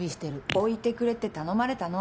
置いてくれって頼まれたの。